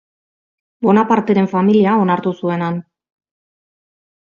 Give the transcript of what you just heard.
Bonaparteren familia onartu zuen han.